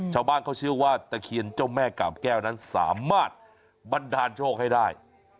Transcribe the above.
ชาวบ้านเขาเชื่อว่าตะเคียนเจ้าแม่กาบแก้วนั้นสามารถบันดาลโชคให้ได้